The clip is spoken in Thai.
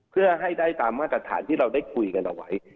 เพื่อให้ได้ตามมาตรฐานที่เราได้คุยกันเอาไว้